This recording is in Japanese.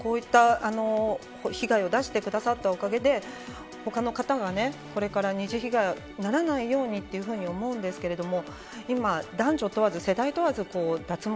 こういった被害を出してくださったおかげで他の方がこれから二次被害にならないようにと思うんですけれども。